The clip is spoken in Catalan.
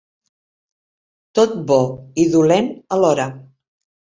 Tot bo i dolent alhora.